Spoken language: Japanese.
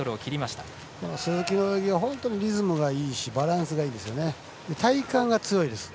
鈴木は本当にリズムがいいしバランスがいいですね。